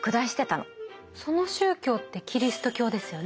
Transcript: その宗教ってキリスト教ですよね？